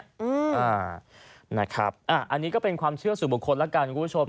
อันนี้ก็เป็นความเชื่อสู่บุคคลแล้วกันคุณผู้ชม